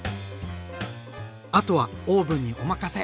あとはオーブンにお任せ。